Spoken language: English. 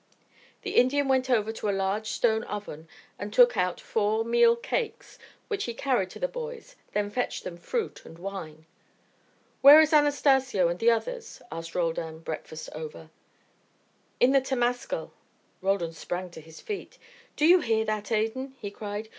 The Indian went over to a large stone oven and took out four meal cakes, which he carried to the boys, then fetched them fruit and wine. "Where is Anastacio and the others?" asked Roldan, breakfast over. "In the temascal." Roldan sprang to his feet. "Do you hear that, Adan?" he cried.